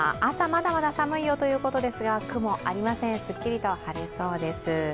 朝まだまだ寒いよということですが、雲ありません、すっきりと晴れそうです。